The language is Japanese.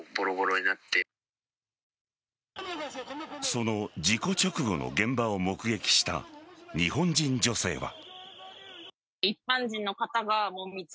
その事故直後の現場を目撃した日本人女性は。